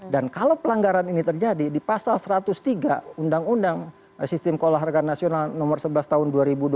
dan kalau pelanggaran ini terjadi di pasal satu ratus tiga undang undang sistem keolahragaan nasional nomor sebelas tahun dua ribu dua puluh dua